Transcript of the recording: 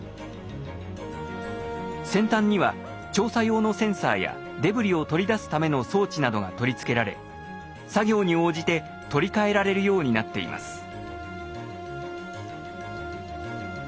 先端には調査用のセンサーやデブリを取り出すための装置などが取り付けられ作業に応じて取り替えられるようになっています。